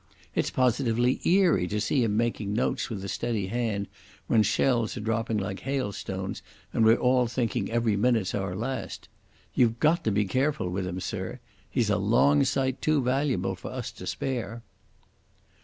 It's positively eerie to see him making notes with a steady hand when shells are dropping like hailstones and we're all thinking every minute's our last. You've got to be careful with him, sir. He's a long sight too valuable for us to spare."